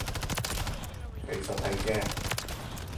其實係嘅